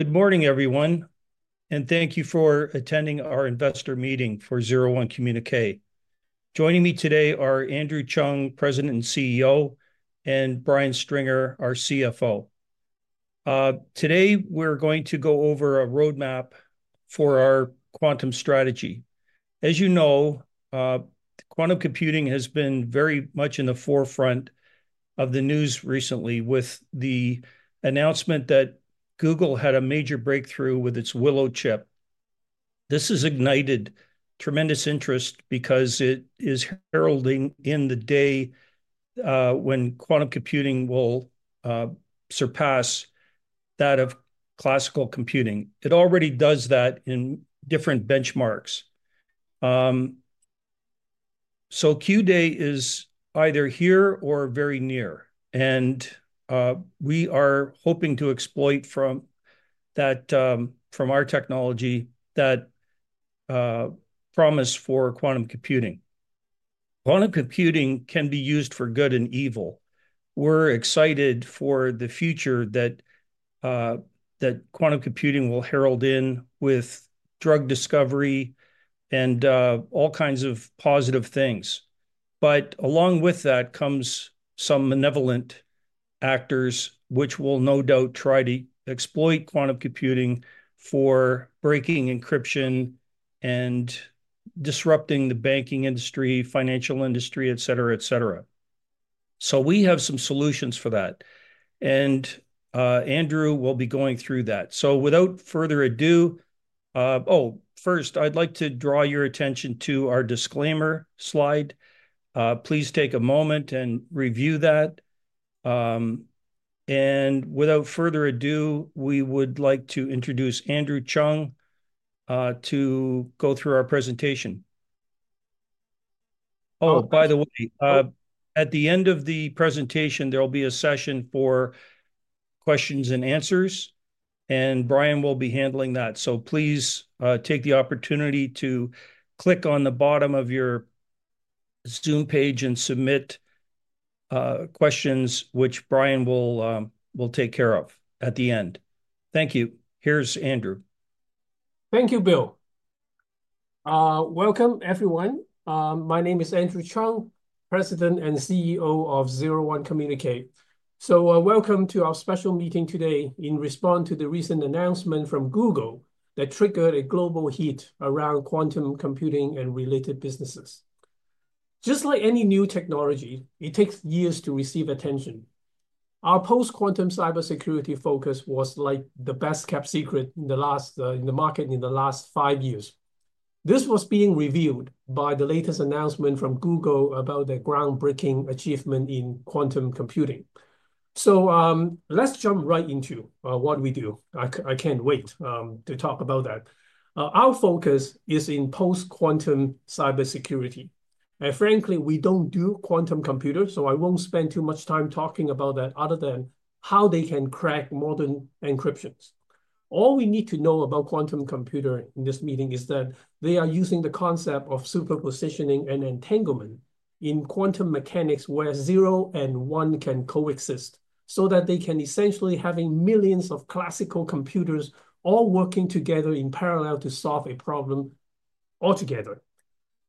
Good morning, everyone, and thank you for attending our investor meeting for 01 Communique. Joining me today are Andrew Cheung, President and CEO, and Brian Stringer, our CFO. Today we're going to go over a roadmap for our quantum strategy. As you know, quantum computing has been very much in the forefront of the news recently with the announcement that Google had a major breakthrough with its Willow chip. This has ignited tremendous interest because it is heralding the day when quantum computing will surpass that of classical computing. It already does that in different benchmarks. So Q-Day is either here or very near, and we are hoping to exploit from our technology that promise for quantum computing. Quantum computing can be used for good and evil. We're excited for the future that quantum computing will herald in with drug discovery and all kinds of positive things. But along with that comes some benevolent actors, which will no doubt try to exploit quantum computing for breaking encryption and disrupting the banking industry, financial industry, et cetera, et cetera. So we have some solutions for that, and Andrew will be going through that. So without further ado, oh, first, I'd like to draw your attention to our disclaimer slide. Please take a moment and review that. And without further ado, we would like to introduce Andrew Cheung to go through our presentation. Oh, by the way, at the end of the presentation, there'll be a session for questions and answers, and Brian will be handling that. So please take the opportunity to click on the bottom of your Zoom page and submit questions, which Brian will take care of at the end. Thank you. Here's Andrew. Thank you, Bill. Welcome, everyone. My name is Andrew Cheung, President and CEO of 01 Communique. So welcome to our special meeting today in response to the recent announcement from Google that triggered a global hype around quantum computing and related businesses. Just like any new technology, it takes years to receive attention. Our post-quantum cybersecurity focus was like the best-kept secret in the market in the last five years. This was being revealed by the latest announcement from Google about the groundbreaking achievement in quantum computing. So let's jump right into what we do. I can't wait to talk about that. Our focus is in post-quantum cybersecurity. And frankly, we don't do quantum computers, so I won't spend too much time talking about that other than how they can crack modern encryptions. All we need to know about quantum computers in this meeting is that they are using the concept of superposition and entanglement in quantum mechanics where zero and one can coexist so that they can essentially have millions of classical computers all working together in parallel to solve a problem altogether.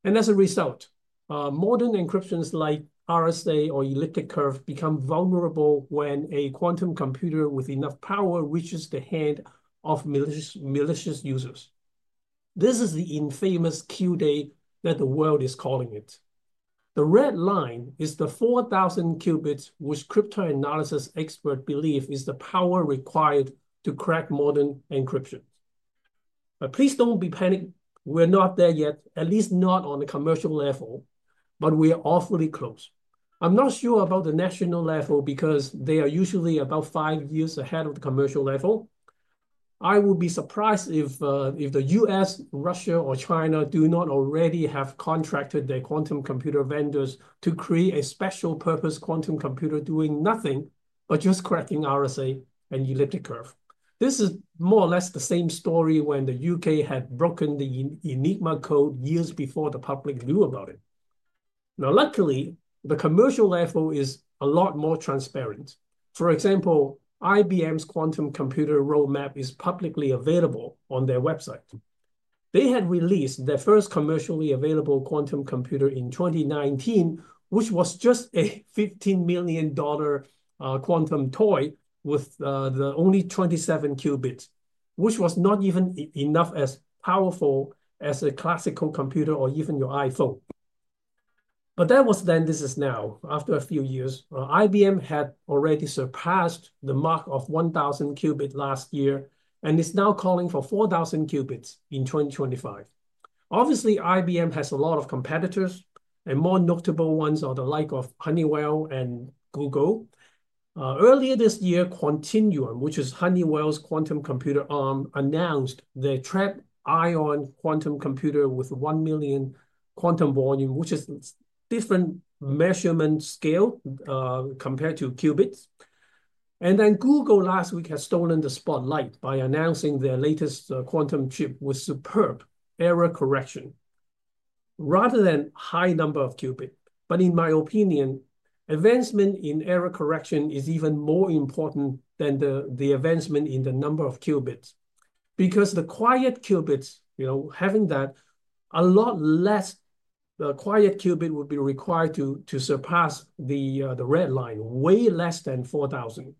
And as a result, modern encryptions like RSA or elliptic curve become vulnerable when a quantum computer with enough power reaches the hand of malicious users. This is the infamous Q day that the world is calling it. The red line is the 4,000 qubits, which cryptanalysis experts believe is the power required to crack modern encryption. But please don't be panicked. We're not there yet, at least not on the commercial level, but we are awfully close. I'm not sure about the national level because they are usually about five years ahead of the commercial level. I would be surprised if the US, Russia, or China do not already have contracted their quantum computer vendors to create a special purpose quantum computer doing nothing but just cracking RSA and elliptic curve. This is more or less the same story when the UK had broken the Enigma code years before the public knew about it. Now, luckily, the commercial level is a lot more transparent. For example, IBM's quantum computer roadmap is publicly available on their website. They had released their first commercially available quantum computer in 2019, which was just a $15 million quantum toy with only 27 qubits, which was not even enough as powerful as a classical computer or even your iPhone. But that was then, this is now. After a few years, IBM had already surpassed the mark of 1,000 qubits last year and is now calling for 4,000 qubits in 2025. Obviously, IBM has a lot of competitors, and more notable ones are the likes of Honeywell and Google. Earlier this year, Quantinuum, which is Honeywell's quantum computer arm, announced their trapped-ion quantum computer with 1 million quantum volume, which is a different measurement scale compared to qubits, and then Google last week has stolen the spotlight by announcing their latest quantum chip with superb error correction rather than a high number of qubits, but in my opinion, advancement in error correction is even more important than the advancement in the number of qubits because the logical qubits, having that a lot less, the logical qubit would be required to surpass the red line, way less than 4,000.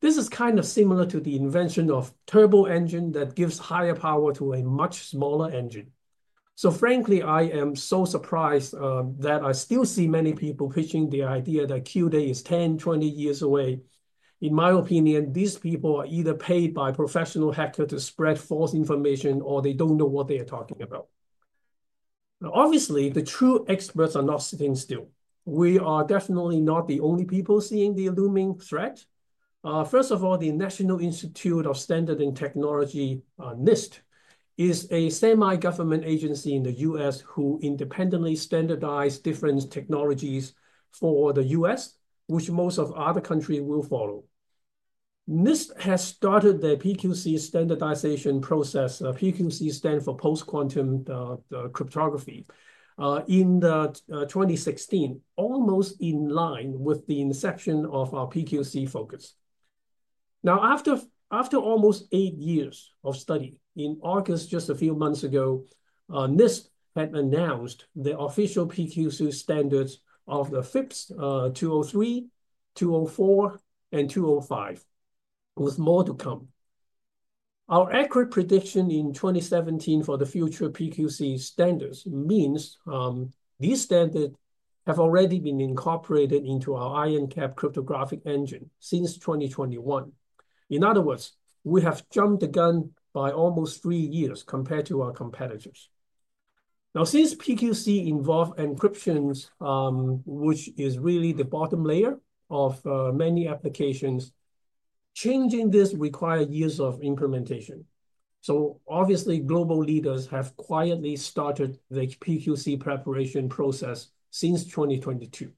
This is kind of similar to the invention of a turbo engine that gives higher power to a much smaller engine. So frankly, I am so surprised that I still see many people pitching the idea that Q day is 10, 20 years away. In my opinion, these people are either paid by professional hackers to spread false information or they don't know what they are talking about. Obviously, the true experts are not sitting still. We are definitely not the only people seeing the looming threat. First of all, the National Institute of Standards and Technology, NIST, is a semi-government agency in the US who independently standardizes different technologies for the US, which most of other countries will follow. NIST has started their PQC standardization process. PQC stands for Post-Quantum Cryptography in 2016, almost in line with the inception of our PQC focus. Now, after almost eight years of study, in August, just a few months ago, NIST had announced the official PQC standards of the FIPS 203, 204, and 205, with more to come. Our accurate prediction in 2017 for the future PQC standards means these standards have already been incorporated into our IronCAP Cryptographic Engine since 2021. In other words, we have jumped the gun by almost three years compared to our competitors. Now, since PQC involves encryptions, which is really the bottom layer of many applications, changing this requires years of implementation. So obviously, global leaders have quietly started the PQC preparation process since 2022.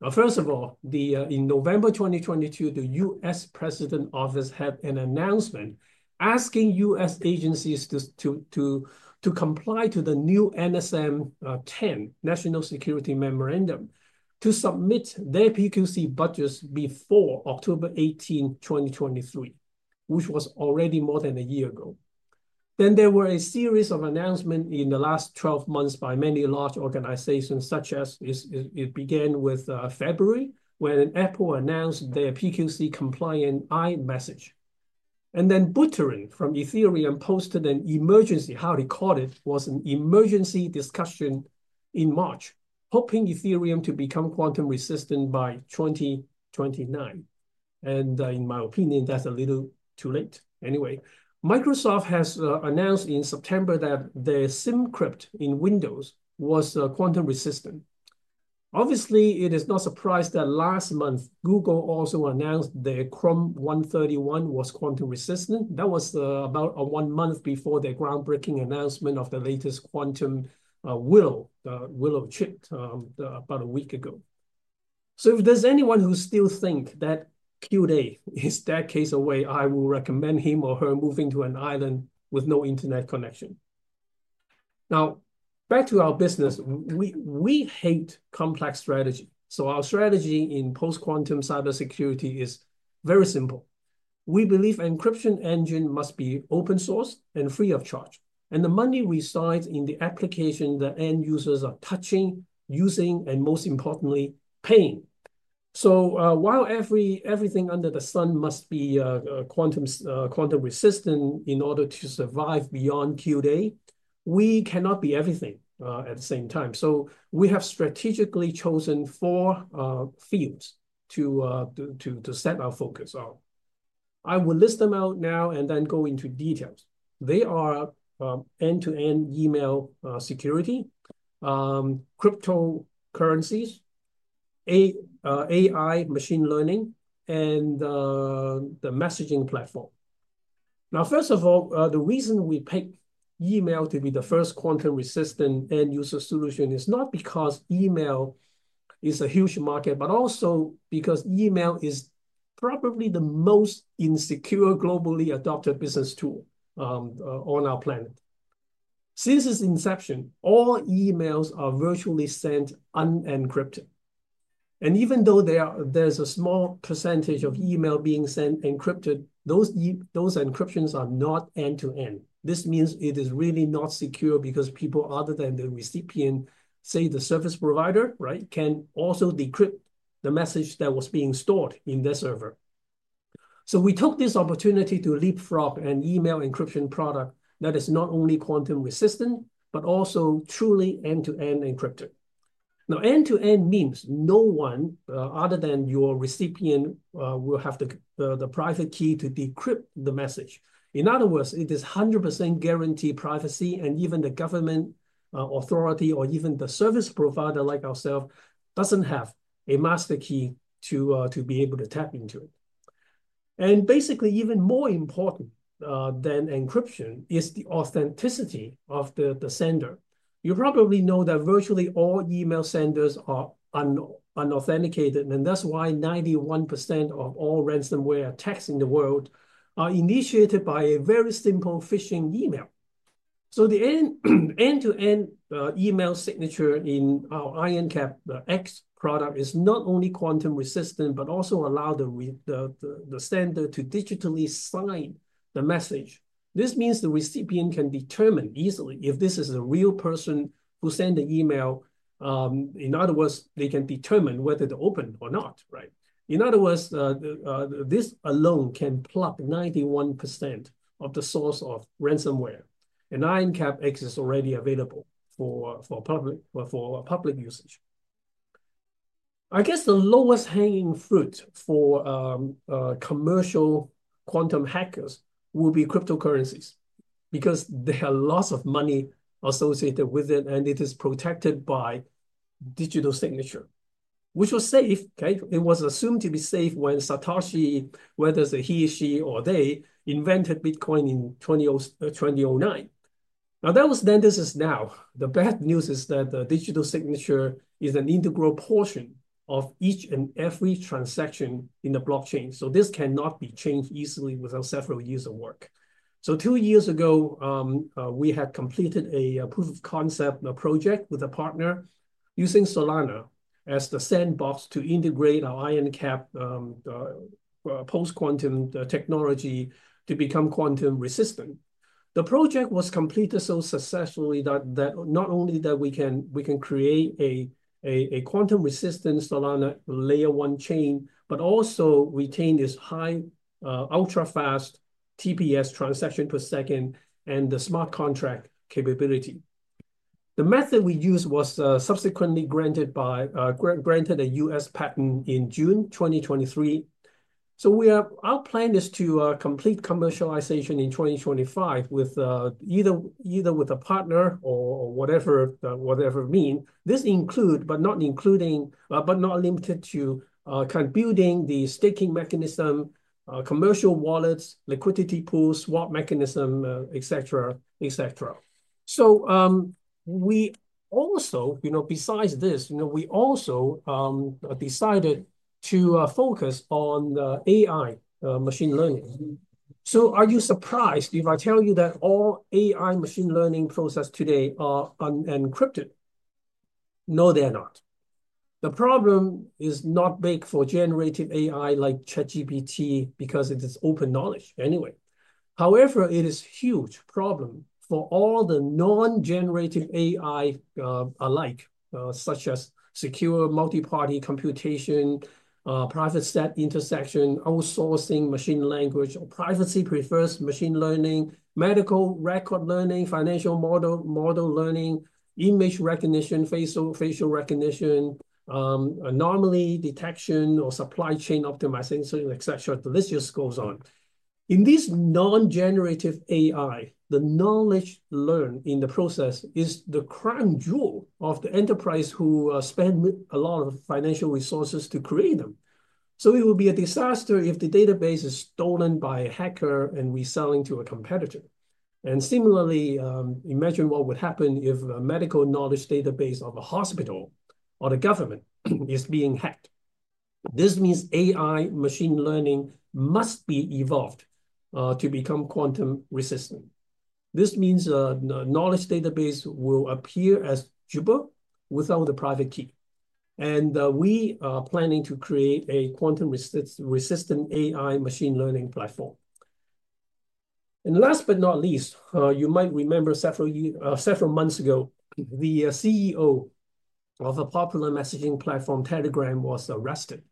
Now, first of all, in November 2022, the US President's Office had an announcement asking US agencies to comply with the new NSM-10 National Security Memorandum to submit their PQC budgets before October 18, 2023, which was already more than a year ago. Then there were a series of announcements in the last 12 months by many large organizations, such as it began with February when Apple announced their PQC compliant iMessage. And then Buterin from Ethereum posted an emergency, how to call it, was an emergency discussion in March, hoping Ethereum to become quantum resistant by 2029. And in my opinion, that's a little too late. Anyway, Microsoft has announced in September that their SymCrypt in Windows was quantum resistant. Obviously, it is not surprised that last month, Google also announced their Chrome 131 was quantum resistant. That was about one month before the groundbreaking announcement of the latest quantum Willow, the Willow chip, about a week ago. So if there's anyone who still thinks that Q day is that far away, I will recommend him or her moving to an island with no internet connection. Now, back to our business. We hate complex strategy. So our strategy in post-quantum cybersecurity is very simple. We believe encryption engines must be open source and free of charge. And the money resides in the application that end users are touching, using, and most importantly, paying. So while everything under the sun must be quantum resistant in order to survive beyond Q day, we cannot be everything at the same time. So we have strategically chosen four fields to set our focus on. I will list them out now and then go into details. They are end-to-end email security, cryptocurrencies, AI, machine learning, and the messaging platform. Now, first of all, the reason we picked email to be the first quantum resistant end user solution is not because email is a huge market, but also because email is probably the most insecure globally adopted business tool on our planet. Since its inception, all emails are virtually sent unencrypted, and even though there's a small percentage of email being sent encrypted, those encryptions are not end-to-end. This means it is really not secure because people, other than the recipient, say the service provider, right, can also decrypt the message that was being stored in their server, so we took this opportunity to leapfrog an email encryption product that is not only quantum resistant, but also truly end-to-end encrypted. Now, end-to-end means no one other than your recipient will have the private key to decrypt the message. In other words, it is 100% guaranteed privacy, and even the government authority or even the service provider like ourselves doesn't have a master key to be able to tap into it, and basically, even more important than encryption is the authenticity of the sender. You probably know that virtually all email senders are unauthenticated, and that's why 91% of all ransomware attacks in the world are initiated by a very simple phishing email. So the end-to-end email signature in our IronCAP X product is not only quantum resistant, but also allows the sender to digitally sign the message. This means the recipient can determine easily if this is a real person who sent the email. In other words, they can determine whether they opened or not, right? In other words, this alone can plug 91% of the source of ransomware. And IronCAP X is already available for public usage. I guess the lowest hanging fruit for commercial quantum hackers will be cryptocurrencies because they have lots of money associated with it, and it is protected by digital signature, which was safe. It was assumed to be safe when Satoshi, whether it's a he/she or they, invented Bitcoin in 2009. Now, that was then this is now. The bad news is that the digital signature is an integral portion of each and every transaction in the blockchain. So this cannot be changed easily without several years of work. So two years ago, we had completed a proof of concept project with a partner using Solana as the sandbox to integrate our IronCAP post-quantum technology to become quantum resistant. The project was completed so successfully that not only that we can create a quantum resistance Solana layer one chain, but also retain this high ultra-fast TPS transaction per second and the smart contract capability. The method we used was subsequently granted by a US patent in June 2023. Our plan is to complete commercialization in 2025 either with a partner or whatever means. This includes, but not limited to, kind of building the staking mechanism, commercial wallets, liquidity pools, swap mechanism, et cetera, et cetera. Besides this, we also decided to focus on AI machine learning. Are you surprised if I tell you that all AI machine learning processes today are unencrypted? No, they are not. The problem is not big for generative AI like ChatGPT because it is open knowledge anyway. However, it is a huge problem for all the non-generative AI alike, such as secure multi-party computation, private set intersection, outsourcing machine learning, or privacy-preserving machine learning, medical record learning, financial model learning, image recognition, facial recognition, anomaly detection, or supply chain optimization, et cetera. The list just goes on. In this non-generative AI, the knowledge learned in the process is the crown jewel of the enterprise who spent a lot of financial resources to create them. So it would be a disaster if the database is stolen by a hacker and reselling to a competitor. And similarly, imagine what would happen if a medical knowledge database of a hospital or the government is being hacked. This means AI machine learning must be evolved to become quantum resistant. This means a knowledge database will appear as gibberish without the private key. And we are planning to create a quantum resistant AI machine learning platform. And last but not least, you might remember several months ago, the CEO of a popular messaging platform, Telegram, was arrested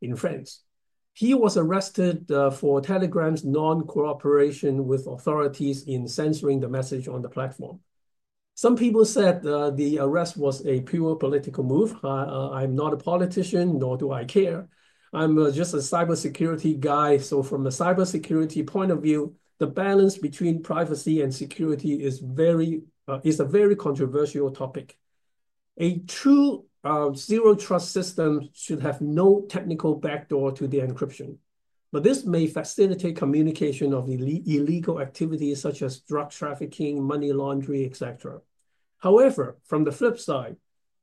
in France. He was arrested for Telegram's non-cooperation with authorities in censoring the message on the platform. Some people said the arrest was a pure political move. I'm not a politician, nor do I care. I'm just a cybersecurity guy. So from a cybersecurity point of view, the balance between privacy and security is a very controversial topic. A true zero-trust system should have no technical backdoor to the encryption. But this may facilitate communication of illegal activities such as drug trafficking, money laundering, et cetera. However, from the flip side,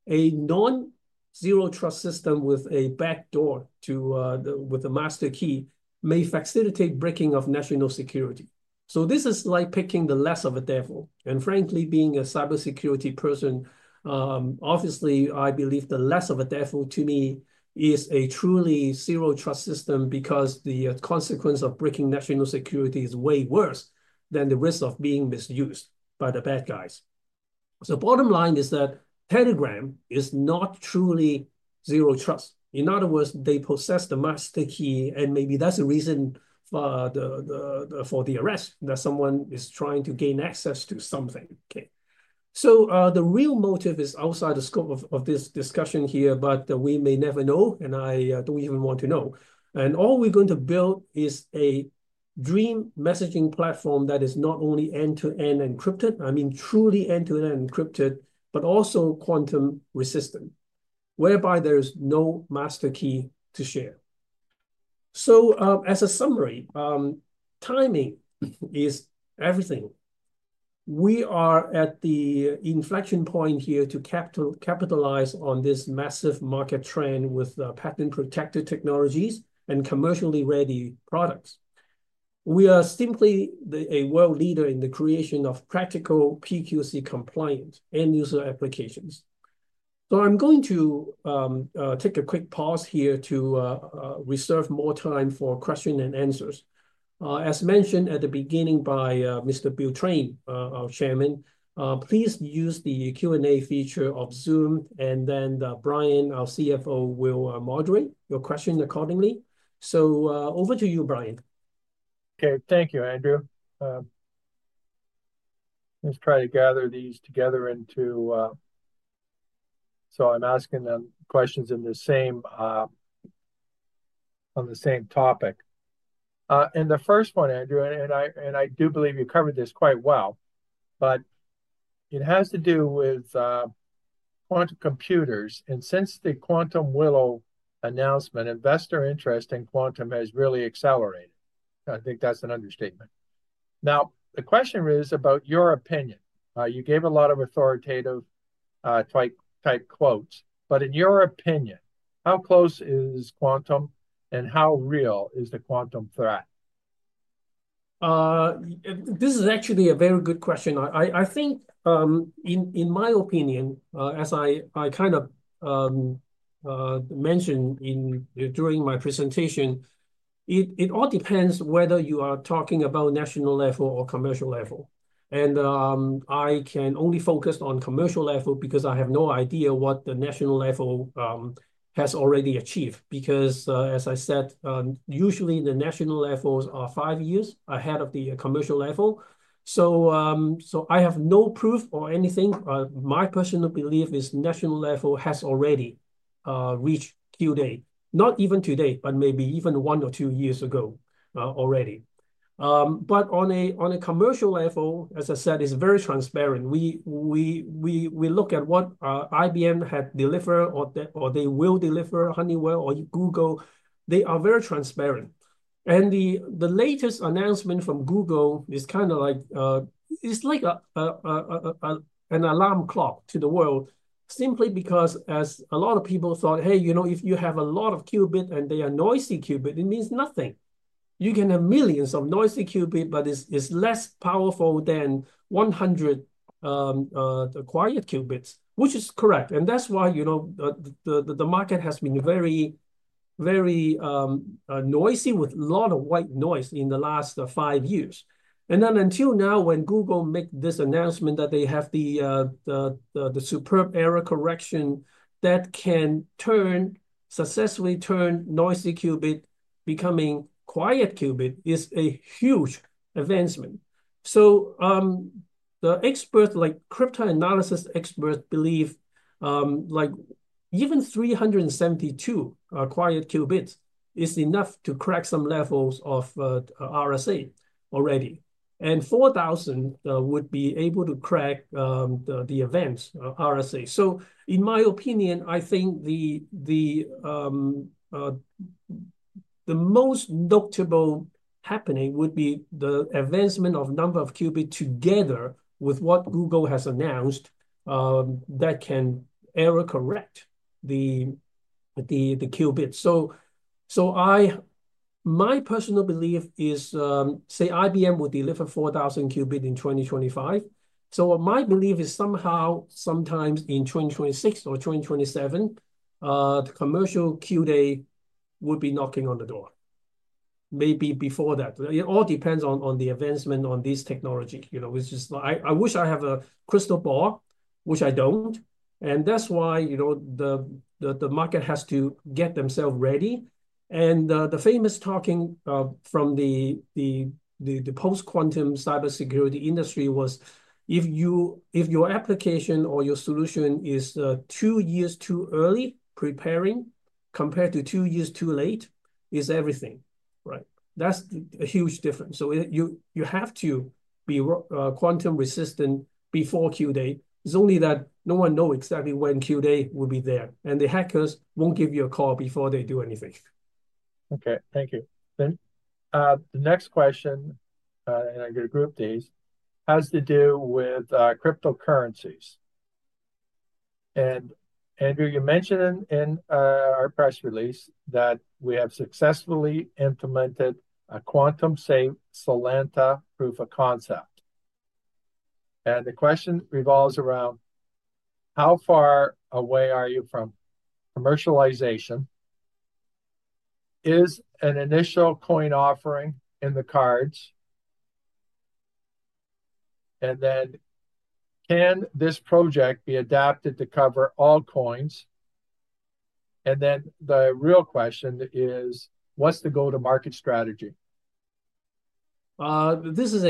a non-zero-trust system with a backdoor with a master key may facilitate breaking of national security. So this is like picking the less of a devil. And frankly, being a cybersecurity person, obviously, I believe the less of a devil to me is a truly zero-trust system because the consequence of breaking national security is way worse than the risk of being misused by the bad guys. Bottom line is that Telegram is not truly zero-trust. In other words, they possess the master key, and maybe that's the reason for the arrest that someone is trying to gain access to something. The real motive is outside the scope of this discussion here, but we may never know, and I don't even want to know. All we're going to build is a dream messaging platform that is not only end-to-end encrypted, I mean, truly end-to-end encrypted, but also quantum resistant, whereby there is no master key to share. As a summary, timing is everything. We are at the inflection point here to capitalize on this massive market trend with patent-protected technologies and commercially ready products. We are simply a world leader in the creation of practical PQC-compliant end-user applications. So, I'm going to take a quick pause here to reserve more time for questions and answers. As mentioned at the beginning by Mr. Bill Train, our Chairman, please use the Q&A feature of Zoom, and then Brian, our CFO, will moderate your question accordingly. So over to you, Brian. Okay, thank you, Andrew. Let's try to gather these together into so I'm asking them questions on the same topic. And the first one, Andrew, and I do believe you covered this quite well, but it has to do with quantum computers. And since the Willow quantum announcement, investor interest in quantum has really accelerated. I think that's an understatement. Now, the question is about your opinion. You gave a lot of authoritative-type quotes. But in your opinion, how close is quantum, and how real is the quantum threat? This is actually a very good question. I think, in my opinion, as I kind of mentioned during my presentation, it all depends whether you are talking about national level or commercial level. And I can only focus on commercial level because I have no idea what the national level has already achieved. Because, as I said, usually the national levels are five years ahead of the commercial level. So I have no proof or anything. My personal belief is national level has already reached Q day, not even today, but maybe even one or two years ago already. But on a commercial level, as I said, it's very transparent. We look at what IBM had delivered or they will deliver, Honeywell or Google. They are very transparent. The latest announcement from Google is kind of like it's like an alarm clock to the world simply because, as a lot of people thought, "Hey, you know if you have a lot of qubits and they are noisy qubits, it means nothing." You can have millions of noisy qubits, but it's less powerful than 100 quiet qubits, which is correct. That's why the market has been very noisy with a lot of white noise in the last five years. Then until now, when Google made this announcement that they have the superb error correction that can successfully turn noisy qubit becoming quiet qubit is a huge advancement. The experts, like cryptanalysis experts, believe even 372 quiet qubits is enough to crack some levels of RSA already. And 4,000 would be able to crack the 2048-bit RSA. In my opinion, I think the most notable happening would be the advancement of the number of qubits together with what Google has announced that can error correct the qubits. My personal belief is, say, IBM will deliver 4,000 qubits in 2025. My belief is somehow sometimes in 2026 or 2027, commercial Q day would be knocking on the door. Maybe before that. It all depends on the advancement on this technology. I wish I have a crystal ball, which I don't. And that's why the market has to get themselves ready. And the famous talking from the post-quantum cybersecurity industry was, "If your application or your solution is two years too early preparing compared to two years too late, it's everything." Right? That's a huge difference. So you have to be quantum resistant before Q day. It's only that no one knows exactly when Q day will be there. And the hackers won't give you a call before they do anything. Okay, thank you. Then the next question, and I got a group of these, has to do with cryptocurrencies. And Andrew, you mentioned in our press release that we have successfully implemented a quantum-safe Solana proof of concept. And the question revolves around how far away are you from commercialization? Is an initial coin offering in the cards? And then can this project be adapted to cover all coins? And then the real question is, what's the go-to-market strategy? This is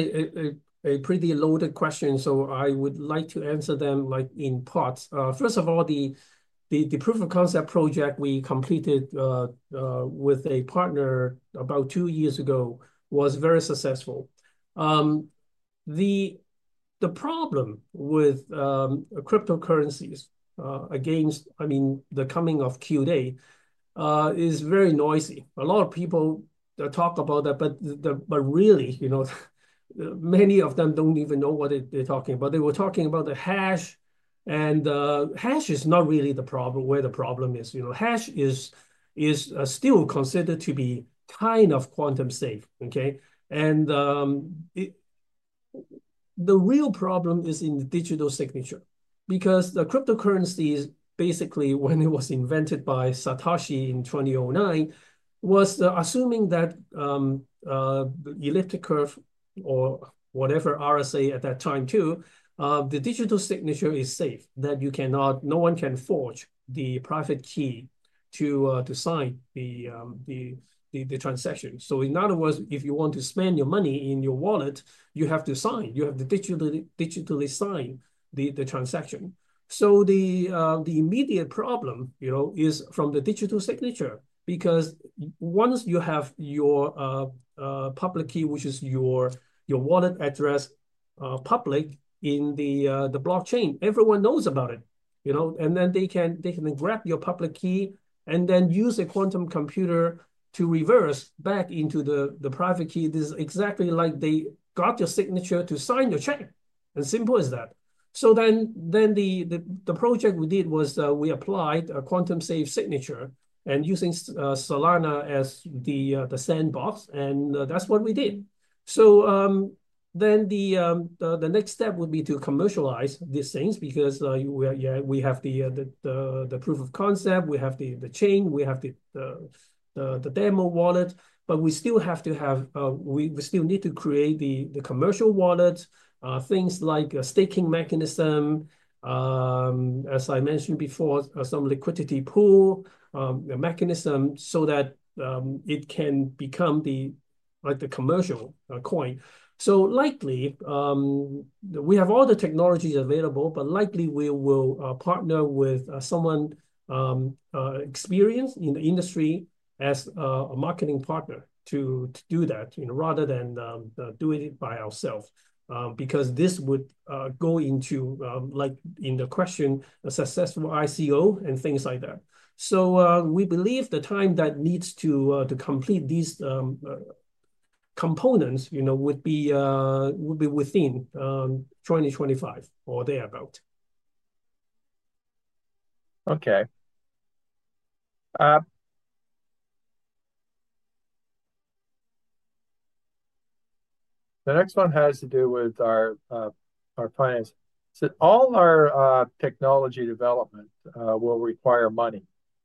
a pretty loaded question, so I would like to answer them in parts. First of all, the proof of concept project we completed with a partner about two years ago was very successful. The problem with cryptocurrencies against, I mean, the coming of Q day is very noisy. A lot of people talk about that, but really, many of them don't even know what they're talking about. They were talking about the hash, and hash is not really where the problem is. Hash is still considered to be kind of quantum safe. Okay? And the real problem is in the digital signature. Because the cryptocurrencies, basically, when it was invented by Satoshi in 2009, was assuming that elliptic curve or whatever RSA at that time too, the digital signature is safe, that no one can forge the private key to sign the transaction. So in other words, if you want to spend your money in your wallet, you have to sign. You have to digitally sign the transaction. So the immediate problem is from the digital signature. Because once you have your public key, which is your wallet address, public in the blockchain, everyone knows about it, and then they can grab your public key and then use a quantum computer to reverse back into the private key. This is exactly like they got your signature to sign your chain, as simple as that, so then the project we did was we applied a quantum-safe signature and using Solana as the sandbox, and that's what we did, so then the next step would be to commercialize these things because we have the proof of concept, we have the chain, we have the demo wallet, but we still have to have we still need to create the commercial wallet, things like a staking mechanism, as I mentioned before, some liquidity pool mechanism so that it can become the commercial coin. So likely, we have all the technologies available, but likely we will partner with someone experienced in the industry as a marketing partner to do that rather than doing it by ourselves. Because this would go into, like in the question, a successful ICO and things like that. We believe the time that needs to complete these components would be within 2025 or thereabout. Okay. The next one has to do with our finance. All our technology development will require money.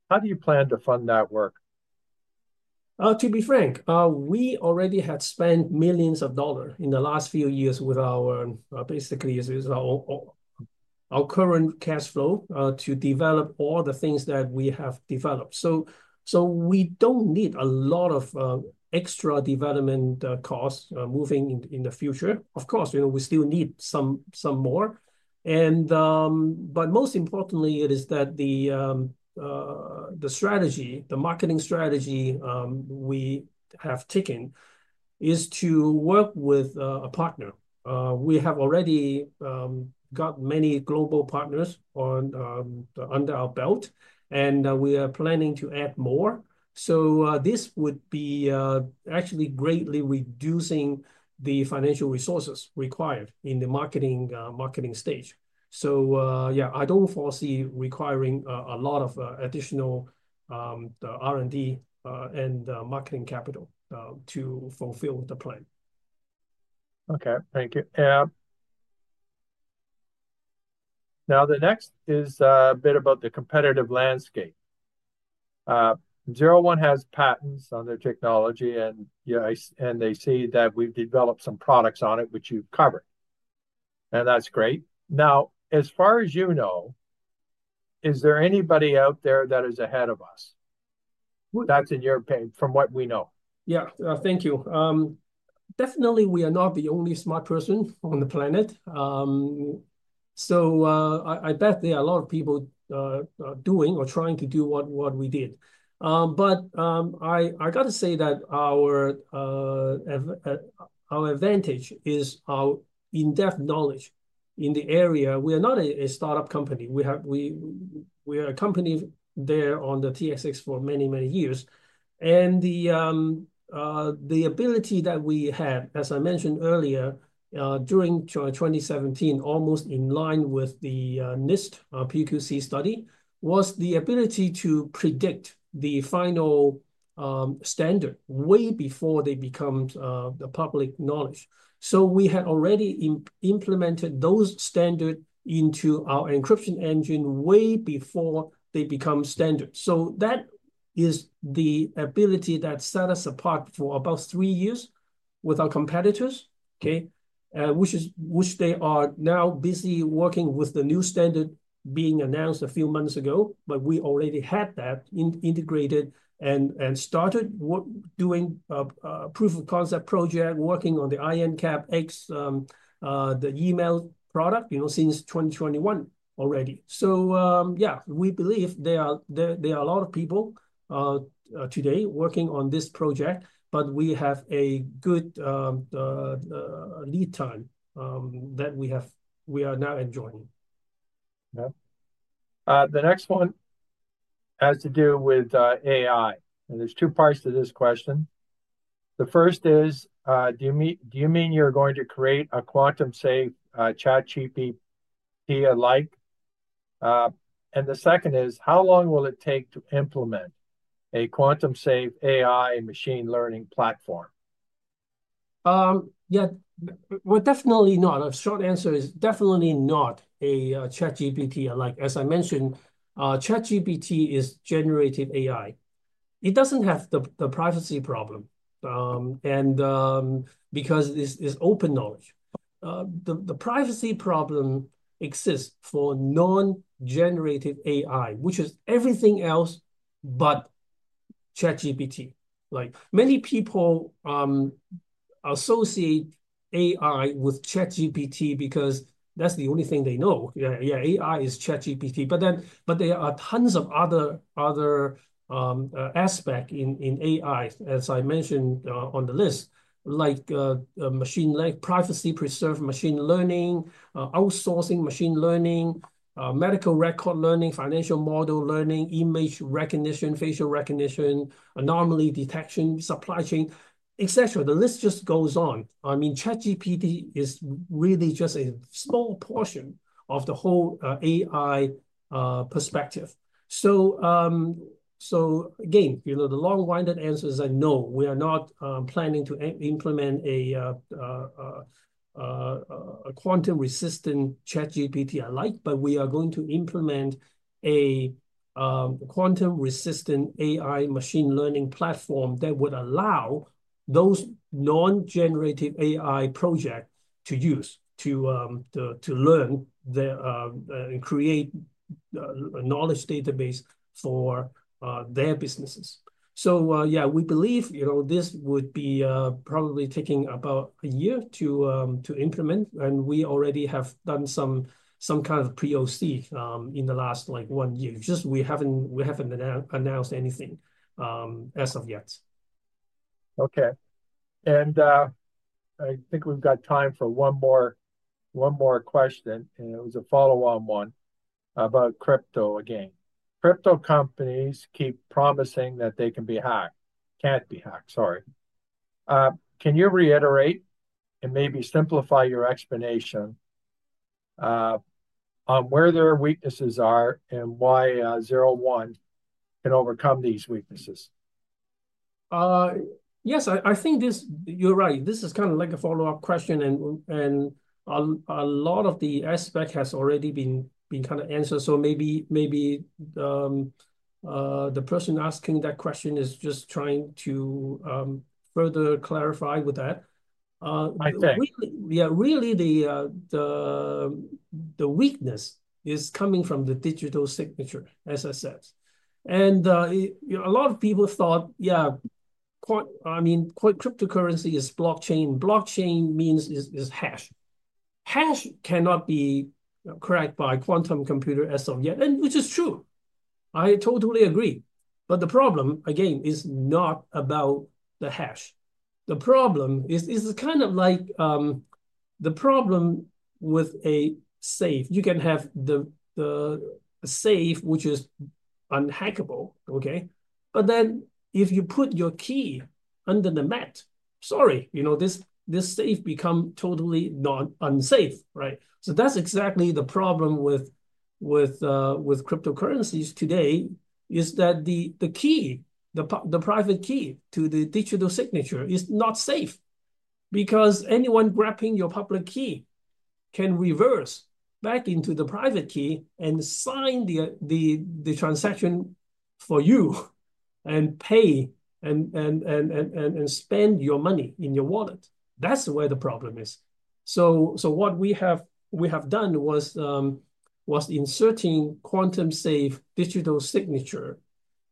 How do you plan to fund that work? To be frank, we already had spent millions of dollars in the last few years with basically our current cash flow to develop all the things that we have developed. So we don't need a lot of extra development costs moving in the future. Of course, we still need some more. But most importantly, it is that the strategy, the marketing strategy we have taken is to work with a partner. We have already got many global partners under our belt, and we are planning to add more. So this would be actually greatly reducing the financial resources required in the marketing stage. So yeah, I don't foresee requiring a lot of additional R&D and marketing capital to fulfill the plan. Okay, thank you. Now, the next is a bit about the competitive landscape. 01 has patents on their technology, and you see that we've developed some products on it, which you've covered. And that's great. Now, as far as you know, is there anybody out there that is ahead of us? That's in your purview from what we know. Yeah, thank you. Definitely, we are not the only smart people on the planet. So, I bet there are a lot of people doing or trying to do what we did. But I got to say that our advantage is our in-depth knowledge in the area. We are not a startup company. We are a company there on the TSX for many, many years. And the ability that we had, as I mentioned earlier, during 2017, almost in line with the NIST PQC study, was the ability to predict the final standard way before they become the public knowledge. So we had already implemented those standards into our encryption engine way before they become standard. So that is the ability that set us apart for about three years with our competitors, which they are now busy working with the new standard being announced a few months ago, but we already had that integrated and started doing proof of concept project, working on the IronCAP X, the email product since 2021 already. So yeah, we believe there are a lot of people today working on this project, but we have a good lead time that we are now enjoying. The next one has to do with AI. And there's two parts to this question. The first is, do you mean you're going to create a quantum-safe ChatGPT alike? And the second is, how long will it take to implement a quantum-safe AI machine learning platform? Yeah, well, definitely not. A short answer is definitely not a ChatGPT alike. As I mentioned, ChatGPT is generative AI. It doesn't have the privacy problem, and because it's open knowledge, the privacy problem exists for non-generative AI, which is everything else but ChatGPT. Many people associate AI with ChatGPT because that's the only thing they know. Yeah, AI is ChatGPT, but there are tons of other aspects in AI, as I mentioned on the list, like privacy-preserving machine learning, outsourcing machine learning, medical record learning, financial model learning, image recognition, facial recognition, anomaly detection, supply chain, etc. The list just goes on. I mean, ChatGPT is really just a small portion of the whole AI perspective, so again, the long-winded answer is that no, we are not planning to implement a quantum-resistant ChatGPT alike, but we are going to implement a quantum-resistant AI machine learning platform that would allow those non-generative AI projects to use to learn and create a knowledge database for their businesses. So yeah, we believe this would be probably taking about a year to implement, and we already have done some kind of POC in the last one year. Just we haven't announced anything as of yet. Okay, and I think we've got time for one more question, and it was a follow-on one about crypto again. Crypto companies keep promising that they can be hacked. Can't be hacked, sorry. Can you reiterate and maybe simplify your explanation on where their weaknesses are and why 01 can overcome these weaknesses? Yes, I think you're right. This is kind of like a follow-up question, and a lot of the aspects have already been kind of answered. So maybe the person asking that question is just trying to further clarify with that. Yeah, really, the weakness is coming from the digital signature, as I said. A lot of people thought, yeah, I mean, cryptocurrency is blockchain. Blockchain means it's hash. Hash cannot be cracked by a quantum computer as of yet, which is true. I totally agree. But the problem, again, is not about the hash. The problem is kind of like the problem with a safe. You can have the safe, which is unhackable, okay? But then if you put your key under the mat, sorry, this safe becomes totally unsafe, right? So that's exactly the problem with cryptocurrencies today: the key, the private key to the digital signature, is not safe. Because anyone grabbing your public key can reverse back into the private key and sign the transaction for you and pay and spend your money in your wallet. That's where the problem is. So what we have done was inserting quantum-safe digital signature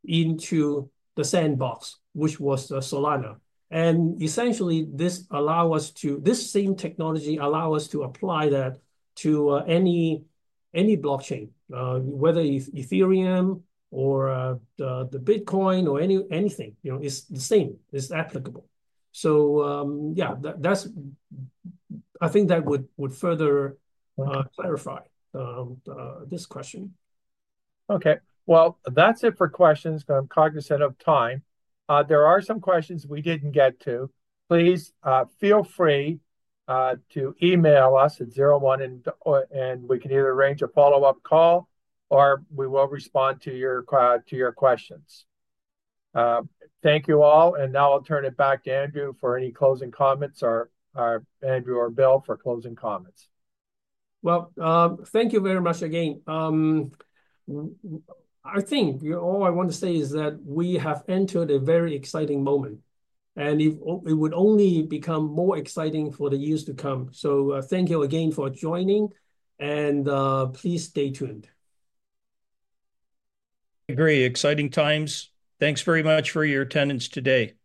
into the sandbox, which was Solana. Essentially, this same technology allows us to apply that to any blockchain, whether it's Ethereum or the Bitcoin or anything. It's the same. It's applicable. So yeah, I think that would further clarify this question. Okay. Well, that's it for questions. I'm cognizant of time. There are some questions we didn't get to. Please feel free to email us at 01, and we can either arrange a follow-up call or we will respond to your questions. Thank you all. And now I'll turn it back to Andrew for any closing comments or Andrew or Bill for closing comments. Well, thank you very much again. I think all I want to say is that we have entered a very exciting moment. And it would only become more exciting for the years to come. So thank you again for joining. And please stay tuned. Agree. Exciting times. Thanks very much for your attendance today.